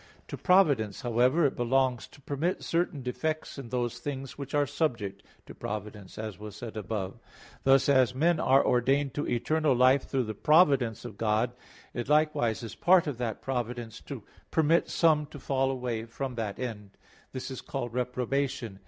To providence, however, it belongs to permit certain defects in those things which are subject to providence, as was said above (Q. 22, A. 2). Thus, as men are ordained to eternal life through the providence of God, it likewise is part of that providence to permit some to fall away from that end; this is called reprobation.